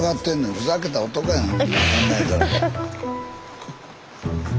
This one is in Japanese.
ふざけた男やん。